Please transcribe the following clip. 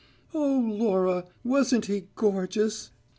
"Oh, Laura, wasn't he gorgeous.